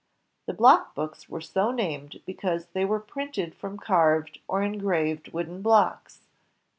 The block books were so named, because they were printed from carved or engraved wooden blocks.